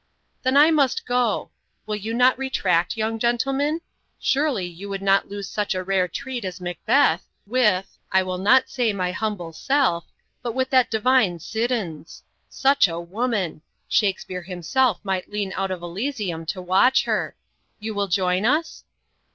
"Then I must go. Will you not retract, young gentlemen? Surely you would not lose such a rare treat as 'Macbeth,' with I will not say my humble self but with that divine Siddons. Such a woman! Shakspeare himself might lean out of Elysium to watch her. You will join us?"